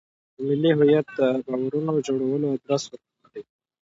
په ملي هویت د باورونو جوړولو ادرس ورکړي.